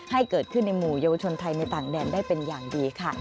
ให้เกิดขึ้นในหมู่เยาวชนไทยในต่างแดนได้เป็นอย่างดีค่ะ